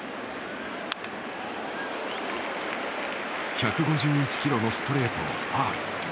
１５１キロのストレートはファウル。